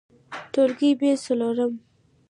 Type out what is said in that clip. ټولګى : ب څلورم